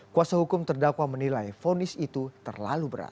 kuasa hukum terdakwa menilai fonis itu terlalu berat